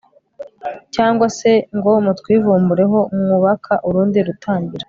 cyangwa se ngo mutwivumbureho mwubaka urundi rutambiro